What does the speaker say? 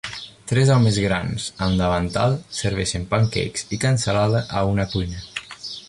Tres homes grans amb davantal serveixen pancakes i cansalada a una cuina.